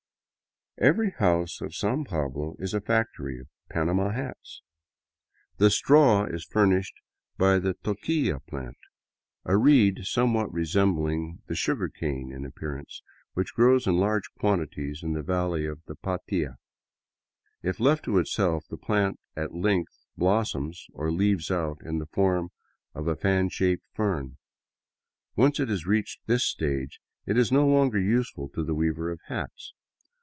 Every house of San Pablo is a factory of " panama " hats. The 104 DOWN THE ANDES TO QUITO " straw " is furnished by the toquilla plant, a reed somewhat resem bhng the sugarcane in appearance, which grows in large quantities in the valley of the Patia. If left to itself, the plant at length blossoms or " leaves " out in the form of a fan shaped fern. Once it has reached this stage, it is no longer useful to the weaver of hats.